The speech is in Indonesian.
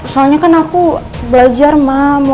soalnya kan aku belajar ma